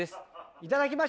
いただきます。